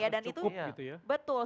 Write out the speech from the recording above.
dan itu betul